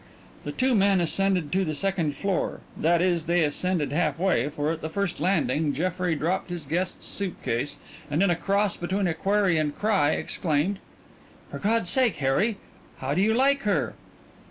The two men ascended to the second floor that is, they ascended half way, for at the first landing Jeffrey dropped his guest's suitcase and in a cross between a query and a cry exclaimed: "For God's sake, Harry, how do you like her?"